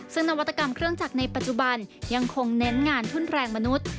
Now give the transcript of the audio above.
ซึ่งนวัตกรรมเครื่องจักรในปัจจุบันยังคงเน้นงานทุ่นแรงมนุษย์